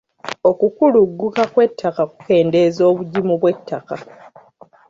Okukulugguka kw'ettaka kukeendeeza obugimu bw'ettaka.